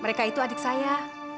mereka itu adik saya